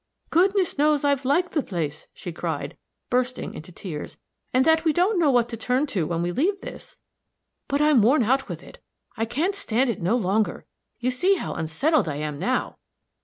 "Goodness knows I've liked the place," she cried, bursting into tears, "and that we don't know what to turn to when we leave this. But I'm worn out with it I can't stand it no longer! You see how unsettled I am now."